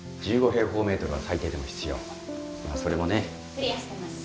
クリアしてます。